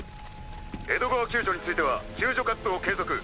江戸川救助については救助活動継続。